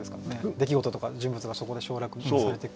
出来事とか人物がそこで省略されて。